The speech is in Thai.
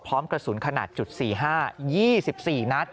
พร้อมกระสุนขนาด๔๕๒๔นัด